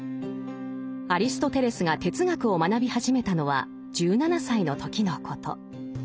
アリストテレスが哲学を学び始めたのは１７歳の時のこと。